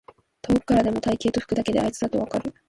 遠くからでも体型と服だけであいつだとわかる